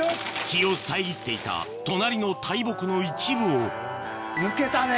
日を遮っていた隣の大木の一部を抜けたね。